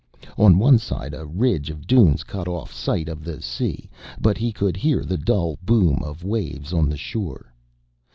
On one side a ridge of dunes cut off sight of the sea, but he could hear the dull boom of waves on the shore.